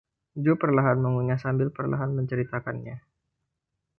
Jo perlahan mengunyah sambil perlahan menceritakannya.